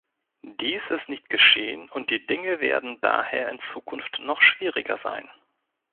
Dies ist nicht geschehen, und die Dinge werden daher in Zukunft noch schwieriger sein.